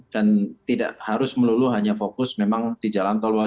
dan tidak harus melulu hanya fokus memang di jalan tolwajar